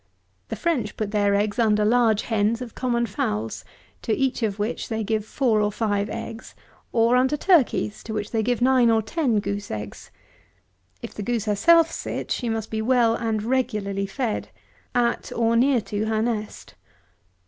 The French put their eggs under large hens of common fowls, to each of which they give four or five eggs; or under turkies, to which they give nine or ten goose eggs. If the goose herself sit, she must be well and regularly fed, at, or near to, her nest.